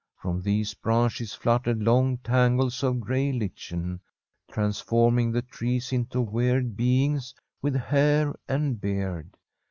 From these branches fluttered long tangles of CTay lichen, transforming the trees into weird beings with hair and beard.